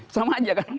sama aja kan